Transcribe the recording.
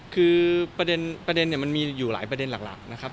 คือประเด็นมันมีอยู่หลายประเด็นหลักนะครับ